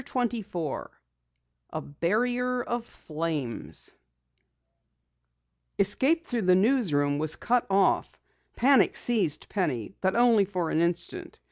CHAPTER 24 A BARRIER OF FLAMES Escape through the newsroom was cut off. Panic seized Penny, but only for an instant.